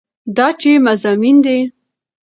دا چې مضامين دي